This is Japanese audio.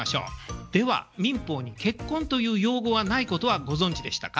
では民法に「結婚」という用語はないことはご存じでしたか？